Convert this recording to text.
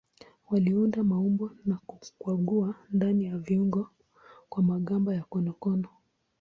Waliunda maumbo na kukwangua ndani ya viungu kwa magamba ya konokono.